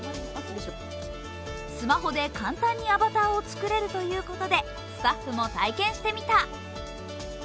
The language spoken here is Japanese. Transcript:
スマホで簡単にアバターを作れるということでスタッフも体験してみた。